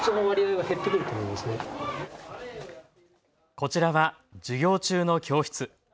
こちらは授業中の教室。